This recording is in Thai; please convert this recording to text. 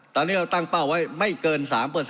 ตอนนี้เราตั้งเป้าไว้ไม่เกิน๓